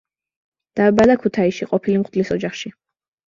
დაიბადა ქუთაისში, ყოფილი მღვდლის ოჯახში.